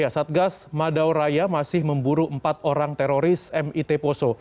satgas madauraya masih memburu empat orang teroris mit poso